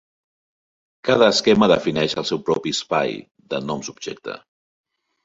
Cada esquema defineix el seu propi espai de noms objecte.